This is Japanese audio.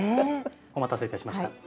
お待たせいたしました。